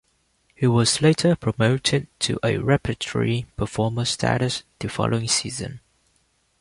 He was later promoted to a repertory performer status the following season.